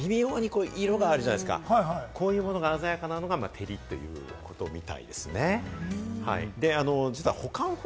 真珠って、金がありましたけれども、微妙に色があるじゃないですか、こういうものが鮮やかなものが、てりということみたいですね。